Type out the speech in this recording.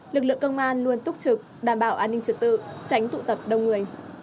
lực lượng công an luôn túc trực đảm bảo an ninh trật tự tránh tụ tập đông người